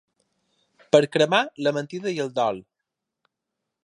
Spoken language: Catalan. Per cremar la mentida i el dol!